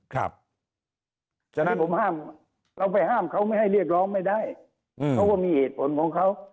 ครับเราไปห้ามเขาไม่ให้เรียกร้องไม่ได้เขาก็มีเหตุผลของเขา